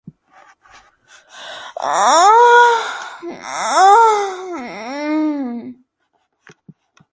The next stage were years of consolidation, editorial growth and creative experimentation.